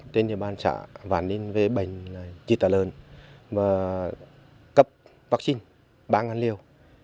trên địa bàn xã vạn ninh về bệnh dịch tả lợn và cấp vaccine ba liều